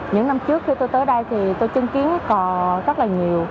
những năm trước khi tôi tới đây thì tôi chứng kiến còn rất là nhiều